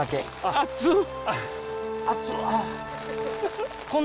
熱っ。